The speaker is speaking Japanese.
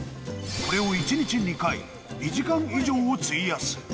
これを１日２回、２時間以上を費やす。